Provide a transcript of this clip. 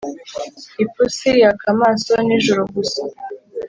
Ipusi yaka amaso nijoro gusa